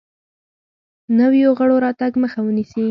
نویو غړو راتګ مخه ونیسي.